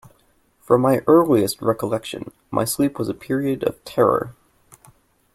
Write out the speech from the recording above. From my earliest recollection my sleep was a period of terror.